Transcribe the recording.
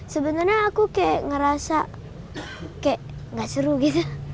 sebenarnya aku kayak ngerasa kayak gak seru gitu